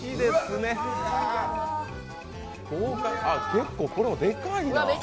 結構これもでかいな。